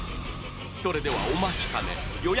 それではお待ちかね予約